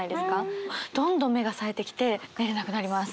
どんどん目がさえてきて寝れなくなります。